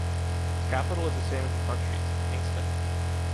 Its capital is the same as the country’s, Kingstown.